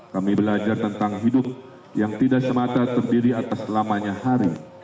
kami belajar tentang hidup yang tidak semata terdiri atas lamanya hari